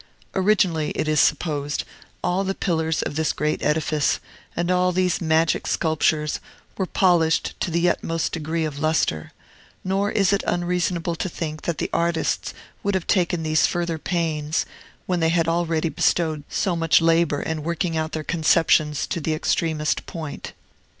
Originally, it is supposed, all the pillars of this great edifice, and all these magic sculptures, were polished to the utmost degree of lustre; nor is it unreasonable to think that the artists would have taken these further pains, when they had already bestowed so much labor in working out their conceptions to the extremest point.